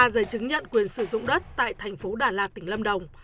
ba giấy chứng nhận quyền sử dụng đất tại tp đà lạt tỉnh lâm đồng